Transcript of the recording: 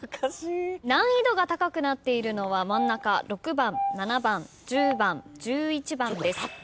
難易度が高くなっているのは真ん中６番７番１０番１１番です。